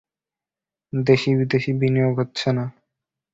দেশি বিদেশি বিনিয়োগ হচ্ছে না।